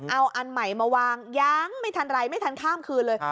เอาอันใหม่มาวางยังไม่ทันไรไม่ทันข้ามคืนเลย